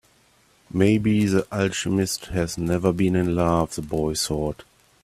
Maybe the alchemist has never been in love, the boy thought.